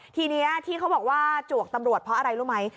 ทีนี้ที่เขาบอกว่าจวกตำรวจเพราะอะไรรู้ไหม